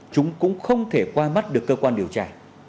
chúng cũng không thể qua mắt được cơ quan điều tra